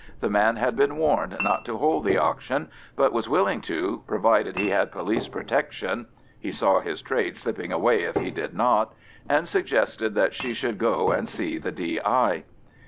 The man had been warned not to hold the auction, but was willing to, provided he had police protection (he saw his trade slipping away if he did not), and suggested that she should go and see the D.I.